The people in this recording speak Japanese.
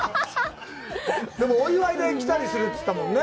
でも、お祝いで着たりするって言ってたもんね。